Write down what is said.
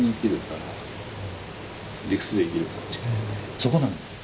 そこなんですよ。